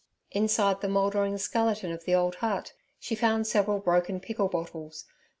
Inside the mouldering skeleton of the old hut she found several broken pickle bottles.